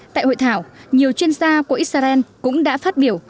tại hội thảo nhiều chuyên gia của israel cũng đã phát biểu